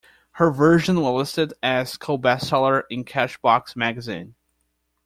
Her version was listed as a co-best-seller in Cashbox magazine.